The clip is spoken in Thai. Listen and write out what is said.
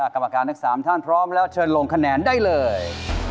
กรรมการทั้ง๓ท่านพร้อมแล้วเชิญลงคะแนนได้เลย